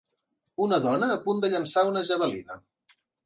Una dona a punt de llençar una javelina